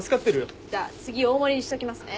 じゃあ次大盛りにしときますね。